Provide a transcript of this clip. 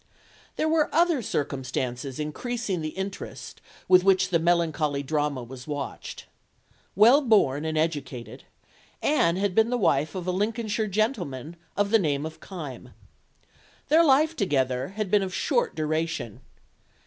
There were other circumstances increasing the interest with which the melancholy drama was watched. Well born and educated, Anne had been the wife of a Lincolnshire gentleman of the name of Kyme. Their life together had been of short duration.